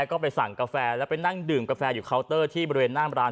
ก็ไปสั่งกาแฟแล้วไปนั่งดื่มกาแฟอยู่เคาน์เตอร์ที่บริเวณหน้ามร้าน